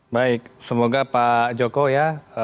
baik semoga pak joko ya